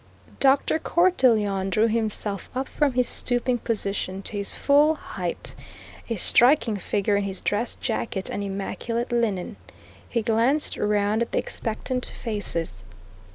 Dr. Cortelyon drew himself up from his stooping position to his full height a striking figure in his dress jacket and immaculate linen. He glanced round at the expectant faces.